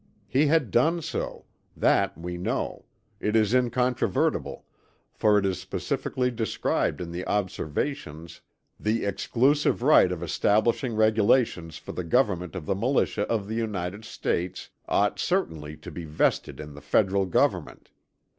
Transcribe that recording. He had done so; that we know; it is incontrovertible, for it is specifically described in the Observations "the exclusive right of establishing regulations for the government of the militia of the United States ought certainly to be vested in the Federal Government."